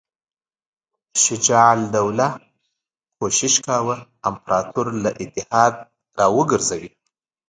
شجاع الدوله کوښښ کاوه امپراطور له اتحاد را وګرځوي.